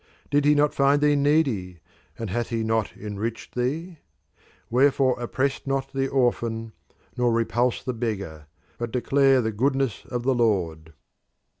Did he not find thee needy, and hath he not enriched thee? Wherefore oppress not the orphan, neither repulse the beggar, but declare the goodness of the Lord."